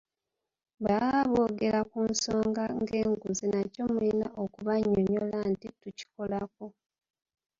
Bwe baba boogera ku nsonga ng'enguzi nakyo mulina okubannyonnyola nti tukikolako.